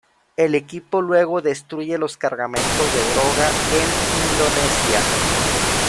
El equipo luego destruye los cargamentos de droga en Indonesia.